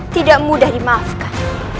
tidak mudah dimaafkan